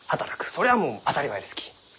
それはもう当たり前ですき。